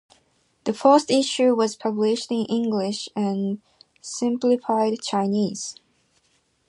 The first issue was published in English and Simplified Chinese.